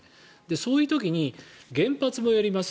そういう時に原発もやります